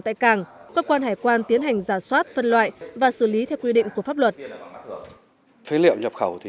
tại càng cơ quan hải quan tiến hành giả soát phân loại và xử lý theo quy định của pháp luật nhập khẩu